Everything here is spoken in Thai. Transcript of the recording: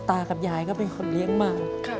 ตากับยายก็เป็นคนเลี้ยงมา